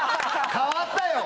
変わったよ。